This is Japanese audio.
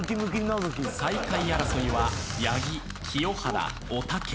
最下位争いは八木清原おたけ。